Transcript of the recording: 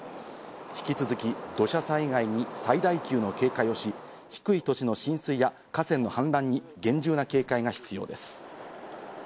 引き続き土砂災害に最大級の警戒をし、低い土地の浸水や河川の氾濫に厳重な警戒が必要です。